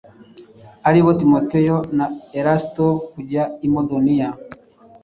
ari bo Timoteyo na Erasito, kujya i Makedoniya.”